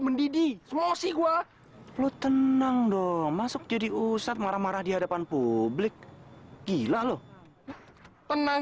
mendidih mau sih gua lu tenang dong masuk jadi ustadz marah marah di hadapan publik gila loh tenang